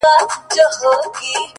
ه زړه مي په سينه كي ساته’